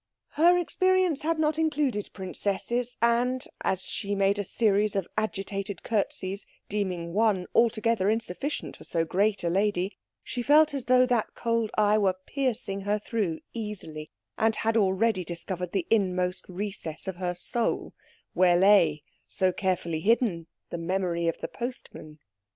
Her experience had not included princesses, and, as she made a series of agitated curtseys, deeming one altogether insufficient for so great a lady, she felt as though that cold eye were piercing her through easily, and had already discovered the inmost recess of her soul, where lay, so carefully hidden, the memory of the postman.